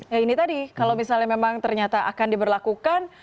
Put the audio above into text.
ya ini tadi kalau misalnya memang ternyata akan diberlakukan